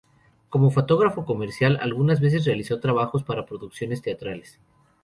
Como fotógrafo comercial, algunas veces realizó trabajos para producciones teatrales.